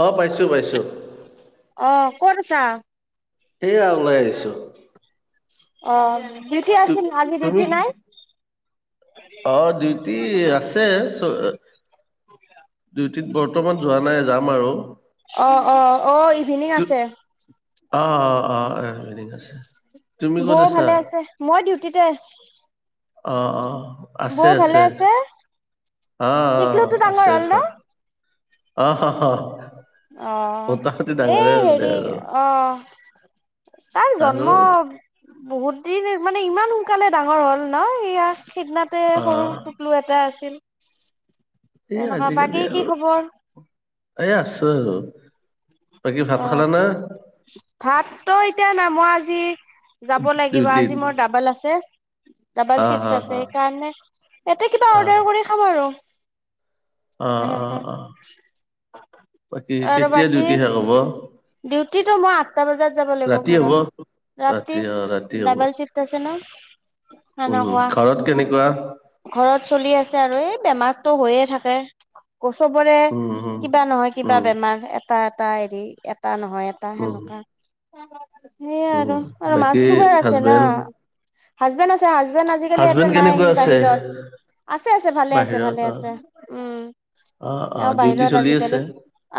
অ পাইছো পাইছো অ' ক'ত আছা? এয়া, ওলাই আহিছোঁ। অ ডিউটি আছিল, আজি তুমি ডিউটি নাই? অ ডিউটি আছে চ ডিউটিত বৰ্তমান যোৱা নাই যাম আৰু অ, অ আহ ইভিনিং আছে। অ, অ, অ, অ ইভিনিং আছে তুমি ক'ত বৌ আছা ভালে আছে, মই ডিউটিতে। অ, অ বৌ ভালে আছে? অ, অ টিকলুটো ডাঙৰ আছে হ'ল ন? ঘৰত। অ হ হা অ এই দে হেৰি, আৰু অহ তাৰ আৰু জন্ম বহুত দিন মানে ইমান সোনকালে ডাঙৰ হ'ল ন ইয়াক সেইদিনাতে অ সৰু টোপলু এটা আছিল। এই তেনেকুৱা, বাকী কি খবৰ? এ আছো আৰু বাকী ভাত অ খালা না ভাতটো এতিয়া নাই মই আজি যাব লাগিব। ডিউটিত আজি মোৰ ডাবল আছে ডাবল অ চিফ্ট অ আছে অ অ সেইকাৰণে তাতে কিবা অৰ্ডাৰ কৰি খাম আৰু অ, অ, এনেকা অ বাকী আৰু কেতিয়া দ বাকী কি নাখাব? ডিউটিটো মই আঠটা বজাত যাব লাগিব ৰাতি হ'ব ঘৰত, ৰাতি অ ৰাতি হ'ব ডাবল চিফট আছে ন উম সেনেকুৱা ঘৰত কেনেকুৱা? ঘৰত চলি আছে। আৰু এই বেমাৰ তটো হৈয়ে থাকে। বছৰবোৰে, উম উম কিবা নহয় কিবা উম বেমাৰ এটা। তাই এক [unintelligible] তানো [unintelligible] নহয়টো উম হেনেকা [unintelligible] অ [unintelligible] সেইয়াই আৰু, উম আৰু মা বাকী চুগাৰ আছে ন, হাজবেণ্ড হাজবেণ্ড আছে, হাজবেণ্ড আজিকালি ইয়াতে হাজবেণ্ড নাই কেনেকুৱা সি আছে? বাহিৰত আছে, আছে ভালে আছে, বাহিৰত ভালে অ আছে, উম অ অ তেওঁ ডিউটি বাহিৰত চলি আজিকালি আছে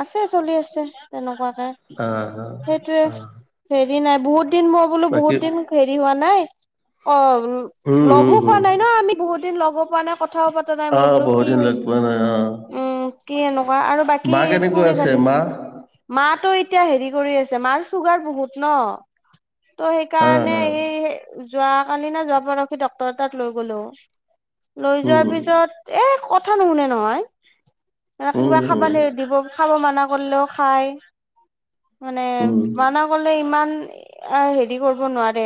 আছে চলি আছে। তেনেকোৱাকে, অ অ সেইটোৱে, অ হেৰি নাই। বহুত দিন মই বোলো, বাকী বহুত দিন হেৰি হোৱা নাই। অ, উম হুম লগো পোৱা হুম নাই ন, আমি বহুত লগে পোৱা নাই কথাও পতা নাই অ মই বোলো বহুত কি দিন হয় লগ পোৱা নাই অ উম কি এনেকুৱা আৰু বাকী মা কেনেকুৱা খুৰি আছে ভালি মা? মা তো হেৰি কৰি আছে মাৰ চুগাৰ বহুত ন ত অ সেইকাৰণে অ এই যোৱ কালি না যোৱা পৰহি সি ডক্টৰৰ তাত লৈ গ'লো। লৈ যোৱাৰ উম পিছত এ কথা নুশুনে নহয় মান উম কিবা খাব উম ল দিব খাব মানা কৰিলেও খায়। মানে উম মানা কলে ইমান হেৰি কৰিব নোৱাৰে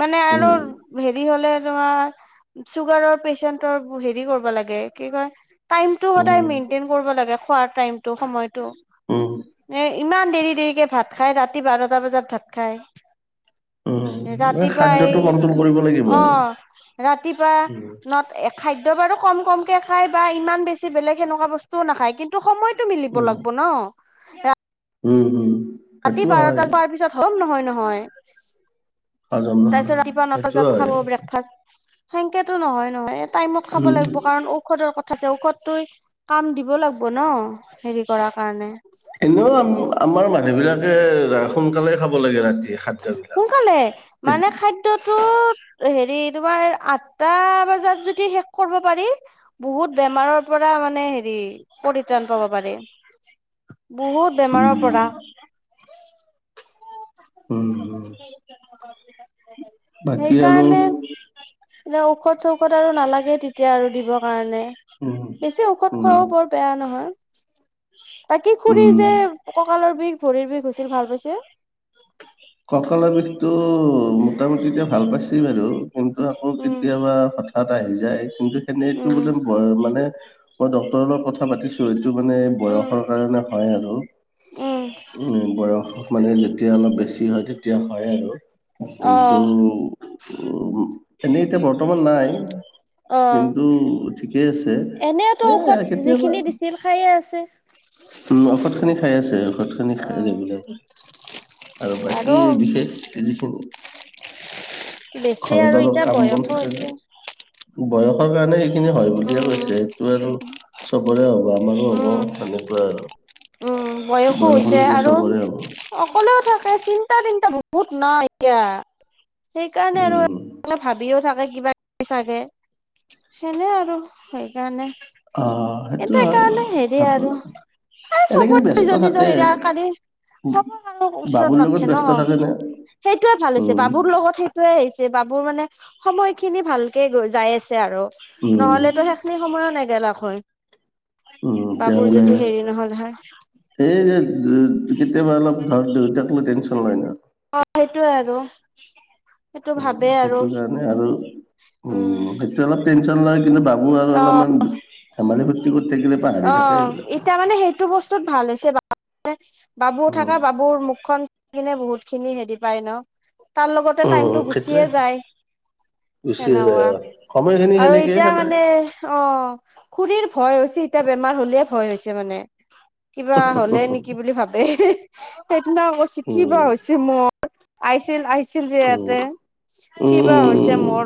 মানে আৰু উম হেৰি হলে তোমাৰ চুগাৰৰ পেচন্টৰ হেৰি কৰিব লাগে কি কয় টাইমটো উম সদায় মেইনটেইন কৰিব লাগে খোৱাৰ টাইমটো সময়টো। উম এ ইমান দেৰি দেৰিকে ভাত খায় ৰাতি বাৰটা বজাত ভাত উম, খায়। এই ৰাতিপোৱা খাদ্যটো এই কন্ট্ৰল কৰিব লাগিব অ আৰু। ৰাতিপুৱা উম, নত খা দিয় বাৰু কম কমকে খায় বা ইমান বেছি বেলেগ সেনেকুৱা বস্তুও নাখায় কিন্তু সময়ত। টো মিলিব উম, লাগিব ন। এ উম হুম ৰাতি বাৰটা পোৱাৰ পিছত হজম নহয় নহয়। হয় হজম নহয়। তাৰপিছত ৰাতিপোৱা নটা সেইটো বজাত হয়, খাব ব্ৰেকফাষ্ট। সেনকা টো নহয়। নহয় টাইমত খাব উম, লাগিব কাৰণ ঔষধৰ কথা। ত ঔষধটোই কাম দিব লাগিব ন হেৰি কৰাৰ কাৰণে। এনেও আম আমাৰ মানুহ বিলাক। তে ৰা [unintelligible] খাব লাগে ৰাতি খাদ্যবিলাক। সোনকালে তে মানে খাদ্যটোত হেৰি তোমাৰ আঠটা বজাত যদি শেষ কৰিব পাৰি বহুত বেমাৰৰ পৰা মানে হেৰি পৰিত্ৰাণ পাব পাৰি। বহুত বেমাৰৰ উম, পৰা উম, শু হাউ আৰ উম, কে কেনত [unintelligible] কেনত [unintelligible] বাকী আৰু সেইকাৰণে এে ঔষধ চৌষত আৰু নালাগে তেতিয়া আৰু দিবৰ কাৰণে উম, বেছি ঔষধ উম, খোৱাও বৰ বেয়া নহয়। [inaudible] বাকী খুৰীৰ যে উম। ককালৰ বিষ ভৰিৰ বিষ হৈছিল ভাল পাইছে কঁকালৰ বিষটো মোটামুটি এতিয়া ভাল পাইছে বাৰু কিন্তু আকৌ উম, কেতিয়াবা হঠাৎ আহি যায়। কিন্তু সেনেতটো উম, বোলে মানে মই ড্টৰ লগত কথা পাতিছো টো মানে উম, বয়সৰ কাৰণে হয় আৰু। উম, বয়স মানে যেতিয়া অলপ বেছি কি হয় তে এতিয়া হয় আৰু। কিন্তু অ', উ এনেই এতিয়া বৰ্তমান নাই, অ', কিন্তু ঠিকেই আছে এনেওতো এ ঔষধ কেতিয়াবা যিখিনি দিছিল খায়ে আছে। উম, ঔষধ খিনি খাই আছে। ঔষধ খিনি খাই অ', ৰেগুলাৰ কৈ। আৰু বাকী বিশেষ যিখিনি বেছি ঘৰত আৰু এতিয়া কাম বন বয়সো থাকে যে হৈছে। বয়সৰ কাৰণে স খিনি হয় বুলিয়ে কৈছে উম, সেইটো আৰু চবৰে হ'বা আমাৰো উম, হ'ব সেনেকুৱাই আৰু। উম বয়সো বয়স হৈছে অনুযায়ী আৰু চবৰে হ'ব অকলেও থাক চিন্তা তিন্তা বহুত নহ এতিয়া। সেইকাৰণে আৰু উম অ ভাবিও থাকো কিবা-কিবি চাগে, সেনে আৰু সেইকাৰণে। অ সেইটো হয় ভাবো এই চবৰে নিজৰ-নিজৰ এৰিয়া কালি হব আৰু ওচৰত বাবুৰ লগত নথখে ন? ব্যস্ত থাকে নে সেইটোয়ে ভাল হৈছে উম বাবুৰ লগত সেইটো আহিছে বাবুৰ মানে সময় খিনি ভালকে গৈ যাই আছে আৰু। উম নহলে তো সেইখিনি সময়ো নেগেলাক। হয় উম এতিয়া বাবুৰ মানে যদি হেৰি নহল। হয় এই যে কেতিয়াবা অলপ ধৰক দেউতাক কোনো টেনচন নাই ন? অ সেইটো আৰু। সেইটো ভাবে উম আৰু। সেইটো কাৰণে আৰু উম, সেইটো অলপ টেনচন লয় কিন্তু বাবু আৰু অলপমান অহ, ধেমালি ফূৰ্তি কৰি থাকিলে পাহৰি থাকে অহ এইবিলাক এতিয়া মানে সেইটো বস্তুত ভাল হৈছে বাবু উম থকা বাবুৰ মুখখন সেইকনে বহুত খিনি হেৰি‌ পাই ন? তাৰ লগতে টাইমটো উম, সেইটোৱে গুচিয়ে যায় গুচি যায় সেনেকুৱা। আৰু সময়খিনি আৰু সেনেকেই এতিয়া খেদাই। মানে, অ' খুৰীৰ ভয় হৈছে এতিয়া বেমাৰ হ'লে ভয় হৈছে মানে। কিবা হ'লে নেকি বুলি ভাব এই হে হেত কিবা হৈছে কিবা উম, হৈছে আইছিল আ আছিল যে উম, ইয়াতে কিবা হৈছে উম। মোৰ।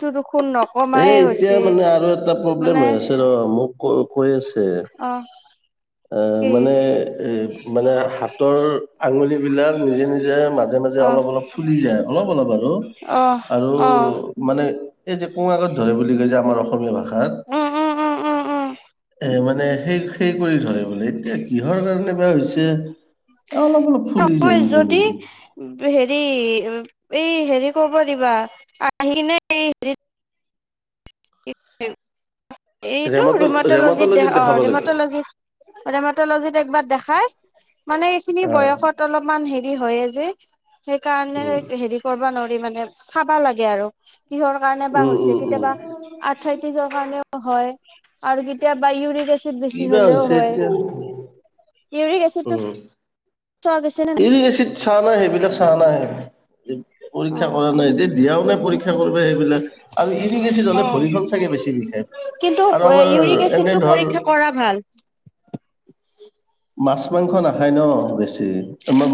টো এ এতিয়া মানে আৰু এটা মানে প্ৰব্লেম হৈ আছে ৰ মোক ক কৈ আছে অ' তে কি এ মানে এ মানে হাতৰ আঙুলি বিলাক নিজে নিজে মাজে মাজে অ' অলপ অলপ ফুলি যায় অলপ অলপ আৰু অ' আৰু অ' মানে এই যে পুআৰত ধৰে বুলি কৈ যে আমাৰ অসমীয়া ভাষা উম উম উম উম উম এ মানে সেই সেই ধ বোলে এতিয়া কিহৰ কাৰণে বেয়া কৰিছে ই যদি হেৰি এই হেৰি কৰিব দিবা আহি নে এই হেৰিত এ এইটো ৰেমট ৰিমটলজিত দে ৰেমটলজিত অ দেখাব লাগিব ৰিমটলজিত ৰিমটলজিত একবাৰ দেখাই মানে এইখিনি অ বয়সত অলপমান হে দি হয়ে যে সেই কাৰণে উম হেৰি কৰিবা নোৱাৰ মানে চাবা লাগে আৰু কিহৰ কাৰণে বা উম হৈছে উম উম কেতিয়াবা আঠাইত্ৰিছৰ কাৰণেও হয় আৰু কেতিয়াবা ইৰি এচিড বেছি কিবা হ'লেও হৈছে হয় এতিয়া ইউৰিক এচিডটো উম চোৱা গৈছে নে নাই ইউৰিক এচিড চোৱা নাই সেইবিলাক চোৱা নাই পৰীক্ষা কৰা নাই এতি দিয়াও নাই পৰীক্ষা কৰিব সেইবিলাক আৰু ইৰিকেচ অ হলে ভৰিখন চাগে বেছি বিশষ কিন্তু আৰু ইউৰিক আমাৰ এনে এচিডটো ধৰ পৰীক্ষা কৰা ভাল মাছ মাংস নাখায় ন বেছি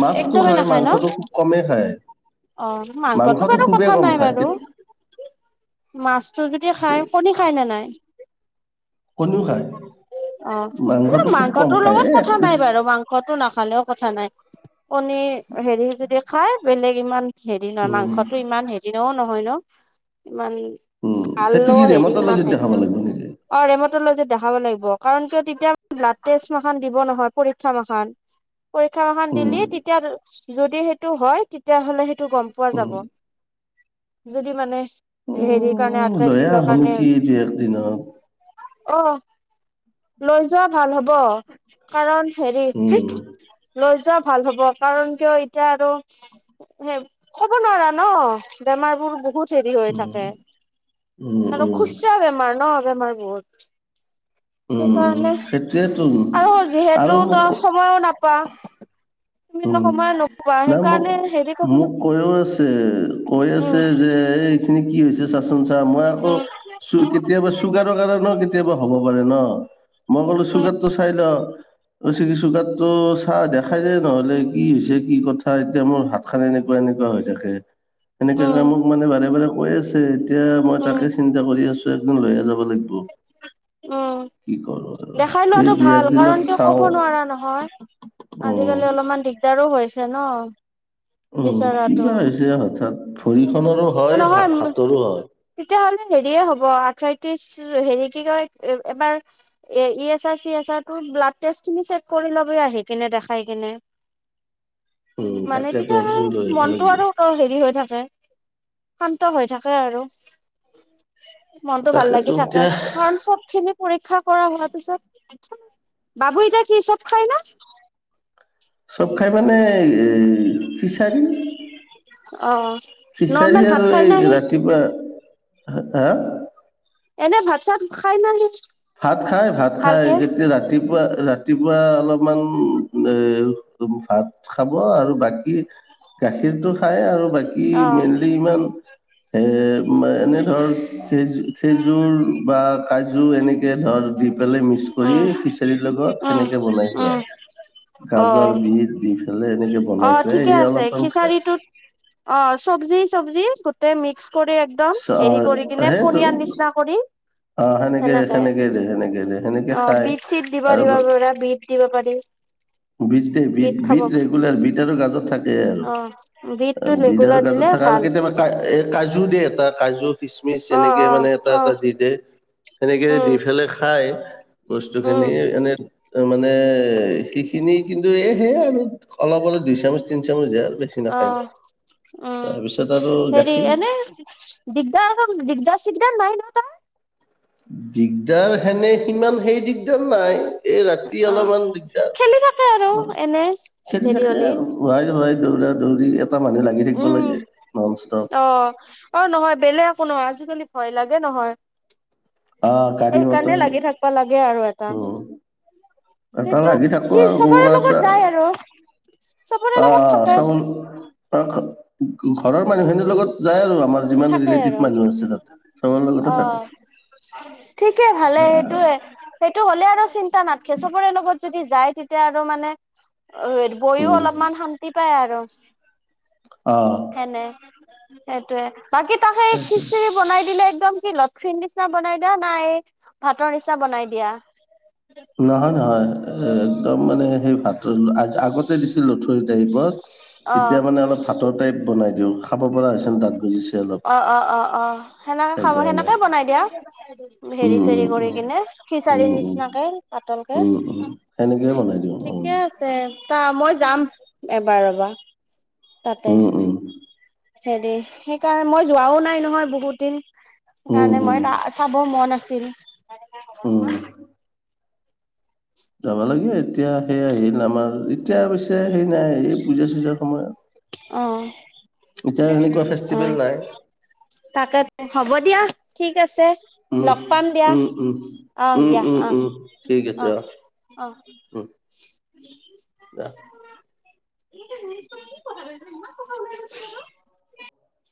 মাছটো একদমেই খায় নাখায় ন মাংসটো খুব কমেই খায় অ মাংসটো বাৰু খুবেই কথা কম নাই খায় বাৰু মাছটো যদি খাই কণী খাই নে নাই কণীও খায় অ কিন্তু মাংসটো খুব কম খায় এই এক পিচ টো নাখালেও কথা নাই কণী হেৰি যদি খাই বেলেগ ইমান হেৰি নহয়, উম মাংসতো ইমান হেৰি ন নহয় ন? ইমান উম, ভাল সেইটো কি হেৰি ইমান ৰেমাটলজিত হৰি দেখাব [unintelligible] লাগিব নেকি? অহ, ৰেমটলজিত দেখাব লাগিব। কাৰণ কিয় তেতিয়া ব্লাড টেষ্ট ম দিব নহয় প চামা খান। পৰীক্ষাখনান উম, দিলি তেতিয়া যদি সেইটো হয়, তেতিয়াাহ'লে সেইটো তটো গম পোৱা উম, যাব। যদি মানে হেৰিৰ কাৰণে উম, লয়া আঠাইত্ৰিশৰ আহোঁ কাৰণে নেকি যে এক দিনৰ? অ লৈ যোৱা ভাল হব। কাৰণ হেৰি, উম, লৈ যোৱা ভাল হ'ব কাৰণ কিয় এতিয়া আৰু সেই ক'ব নোৱাৰা ন? বেমাৰ বোৰ বহুত হৰি হৈ উম, থাকে। উম, উম, আৰু উম, খুচৰা বেমাৰ ন? বেমাৰ বহুত। উম, সেইটয়েতো উ তটো ত সময়ো নাপা। তুমি উম। সময় ন নাই মোক-মোক কৈও আছে, কৈ উম আছে যে এই এইখিনি কি হৈছে? [unintelligible] চা মই আকৌ উম চু কেতিয়াবা চুগাৰৰ কাৰণে কেতিয়াবা হ'ব পাৰে ন? হলো চুগাৰ টো চাই লৈ। কৈছে কি চুগাৰ চাহ দেখাই যায় নহ'লে কি হৈছে? কি কথা এতিয়া মোৰ হাত খান এনেকুৱা এনেকুৱা হৈ থাকে। উম সেনেকেে মোক মানে বাৰে-বাৰে কৈ আছে। এতিয়া মই উম তাকে চিন্তা কৰি আছো। একম লৈয়ে যাব লাগিব। উম, কি কৰোঁ আৰু দেখাই এই লোৱাাতটো দুই ভাল একদিনত কাৰণ কিয় চাওঁ কব নোৱাৰা নহয়, উম। আজিকালি অলপমান দিগদাৰো হৈছে। যান? উম, কিবা হৈছে হঠাৎ ভৰিখনৰো হয়, নহয় হাতৰো হয়। তেতিয়াহ'লে হেৰিয়ে হব, আঠাই হেৰী, কি কয়? এবাৰ এ ই এছ আৰ-চি এছ আৰ টো, ব্লাড টেষ্ট খিনি চেক কৰী লবি আহি কেনে দেখাই কেনে। উম, মানে তাকেতো তেতিয়া একো আৰু ধৰিব মনটো লাগিব। আৰু হেৰি হৈ থাকে। শান্ত হৈ থাকে আৰু। উম [inaudible] মনটো ভাল তাকেতো লাগি থাকে। এতিয়া কাৰণ চব খিনি পৰীক্ষা কৰা হোৱাৰ পিছত বাবু এতিয়া কি চব খায় ন? চব খাই মানে এ [unintelligible] অ ফিচাৰি নৰ্মেল ভাত আৰু খাই এই না সি ৰাতিপুৱা হ হা? [unintelligible] এনে ভাত-চাত খাই না সি? ভাত খাই, ভাত খাই ভালকে কেতিয়া ৰাতি ৰাতিপুৱা, ৰাতিপুৱা অলপমান এ ভাত খাব আৰু বাকী গাখীৰটো খাই আৰু বাকি অ মেইনলী ইমান [unintelligible] এ [unintelligible] ম এনে ধৰ [unintelligible] চীজ খেজুৰ বা কাজু এনেকুৱা কে ধৰ [unintelligible] পেলাই মিক্স কৰি উম খিচিৰীৰ লগত, উম হেনেকে বনাই খুৱাই উম অ গাজৰ, বিত দি পেলাই এনেকে অ বনাই খুৱাই ঠিকে এই আছে, অলপমান খায়। খিচাৰিটোত অ চবজি, চবজি গোটেই মিক্স কৰি একদম চ হেৰি কৰি কিনে সেইটো পনিয়াৰ নিচিনা কৰি অ সেনেকে, সেনেকে দে, সেনেকে সেনেকে অ খাই, বিট চিট দিব আৰু দিব পাৰা বিট দিব পাৰি বিট, বিট, খাব বিট, পাৰি। Regular beet. এতিয়াতো গাজৰ থাকে। অ থাকে বিটটো আৰু বিজাৰ ৰেগুলাৰ গাজৰ দিলে থাকে আৰু ভাল কেতিয়াবা, এ কাজু দিয়ে কাজু, খীচমিচ অ এনেকে অ মানে এটা, অ এটা দি দে সেনেকে দি উম পেলাই খায় হয়। বস্তু উম খিনি এনে অ মানে সেইখিনি কিন্তু এই সে আৰু অলপ-অলপ দুই চামুচ তিনি চামুচ দিয়ে আৰু বেছি নাখায় অহ, নাই। উম, তাৰপিছত আৰু হেৰি গাখীৰ এনে দিগদাৰ-দিগদাৰ চিগদাৰ নাই নহ তাৰ? দিগদাৰ হেনে সিমান সেই দিগদাল নাই? এই ৰাতি অ অলপমান দিগদাৰ, খেলি থাকে আৰু এনে খেলী হেৰি থাকে হলি আৰু ভুৱাই ধুৱাই দৌৰা-দৌৰি উম, অহ, অহ নহয় বেলেগ একো নহয়, আজি ভয় লাগে নহয়। অ গাড়ী এই কাৰণে মটৰ লাগি থাকিব লাগে আৰু এ ত উম। এটা লাগি থাকো আৰু কোনোবা লগত এটা। যায় আৰু চবৰে লগত থাকে অহ-অহ চ [unintelligible] ঘৰৰ মানুহখেনিৰ লগত যায় আৰু আমাৰ যিমান থাকে ৰিলেটিভ আৰু মানুহ আছে, তাতে চবৰ লগতে অ থাকে। ঠিকে ভালে কেচবৰে লগত যদি যায়, তেতিয়া আৰু মানে অ' বহিও অলপমান শান্তি পায় আৰু। উ [unintelligible] অ', সেইটোৱে। বাকী তাকে সেইটোৱে খিচিৰি বনাই দিলে একদম কি লথীৰ নিচিনা বনাই দিয়া নাই ভাতৰ নিচিনা বনাই দিয়া? নহয়-নহয়, এ একদম মানে সেই ভাতৰ আগতে দিছিল লথৰি টাইপত, এতিয়া মানে অলপ ভাতৰ টাইপ বনাই দিওঁ, খাপ অ-অ-অ-অ, সেনেকে খাব সেইকাৰণে সেনেকে বনাই দিয়া। উ [unintelligible] হেৰি-চেৰি উম কৰি উম কিনে, খিচাৰি উম উম উম নিচিনাকে পাতলকে, উম উম সেনেকেই বনাই দিওঁ উম ঠিকে আছে তা মই যাম। এবাৰ ৰবা, তাতে, উম উম হেৰি সেইকাৰণে মই যোৱাও নাই নহয় বহুত দিন। উম কাৰণে মই উম ত চাব মন আছে। ৰি যাবা লাগে এতিয়া সেই আহিল আমাৰ, এতিয়া পছে সেই নাই এই পূজা-চূজাৰ সময়ত। অ' এতিয়া সেনেকুৱা ফেষ্টিভেল আহ, নাই তাকে হ'ব দিয়া। ঠিক আছে। উম লগ পাম দিয়া উম উম আহ, উম দিয়া উম উম ঠিক আছে অ আহ-আহ-আহ,। উম ৰাখ। এই নি [unintelligible] [unintelligible]